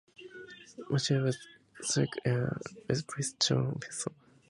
Mathias was sacked, and replaced by John Benson.